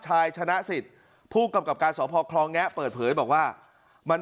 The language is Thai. ชนะสิทธิ์ผู้กำกับการสพคลองแงะเปิดเผยบอกว่ามัน